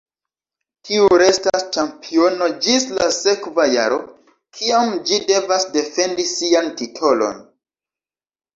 Tiu restas ĉampiono ĝis la sekva jaro, kiam ĝi devas defendi sian titolon.